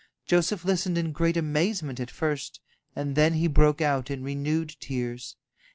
Joseph listened in great amazement at first, and then he broke out in renewed tears.